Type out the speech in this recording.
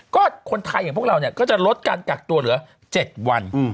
ก็คนไทยอย่างพวกเราเนี่ยก็จะลดการกักตัวเหลือ๗วัน